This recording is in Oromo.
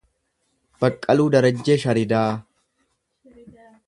Baqqaluu Darajjee Sharidaa